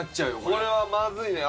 これはまずいね。